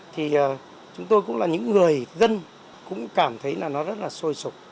thì chúng tôi cũng là những người dân cũng cảm thấy là nó rất là sôi sụp